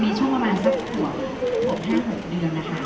มีช่วงประมาณสักหกหกห้าหกสักเดือนนะคะ